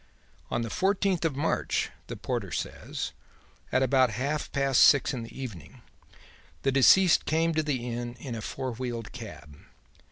"'On the fourteenth of March,' the porter says, 'at about half past six in the evening, the deceased came to the Inn in a four wheeled cab.